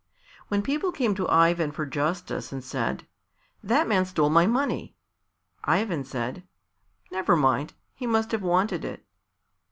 When people came to Ivan for justice and said, "That man stole my money," Ivan said, "Never mind; he must have wanted it."